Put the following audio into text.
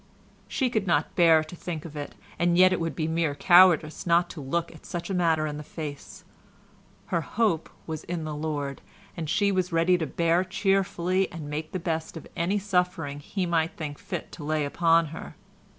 She could not bear to think of it, and yet it would be mere cowardice not to look such a matter in the face—her hope was in the Lord, and she was ready to bear cheerfully and make the best of any suffering He might think fit to lay upon her.